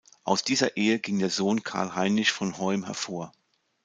Aus dieser Ehe ging der Sohn Carl Heinrich von Hoym hervor.